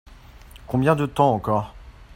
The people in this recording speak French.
Combien de temps encore ?